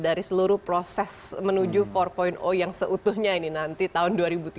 dari seluruh proses menuju empat yang seutuhnya ini nanti tahun dua ribu tiga puluh